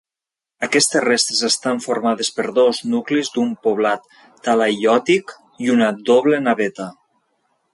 Aquestes restes estan formades per dos nuclis d'un poblat talaiòtic i una doble naveta.